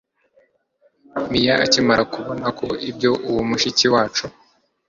Mia akimara kubona ko ibyo uwo mushiki wacu